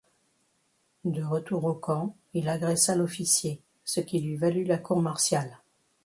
De retour au camp, il agressa l'officier, ce qui lui valut la cour martiale.